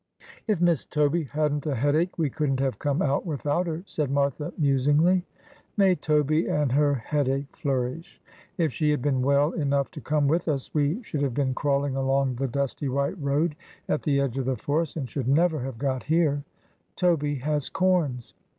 ' If Miss Toby hadn't a headache we couldn't have come out without her,' said Martha musingly. ' May Toby and her headache flourish ! If she had been well enough to come with us we should have been crawling along the dusty white road at the edge of the forest, and should never have got here. Toby has corns.